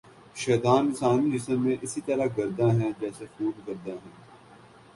شیطان انسانی جسم میں اسی طرح گرداں ہے جیسے خون گرداں ہے